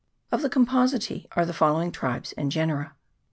Of Composites are the following tribes and genera : 1.